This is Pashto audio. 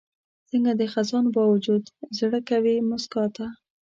څنګه د خزان باوجود زړه کوي موسکا ته؟